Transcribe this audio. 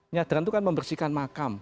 nyadran itu kan membersihkan makam